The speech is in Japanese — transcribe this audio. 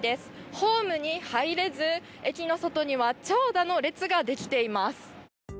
ホームに入れず駅の外には長蛇の列ができています。